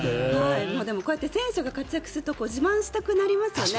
でも、こうやって選手が活躍すると自慢したくなりますよね。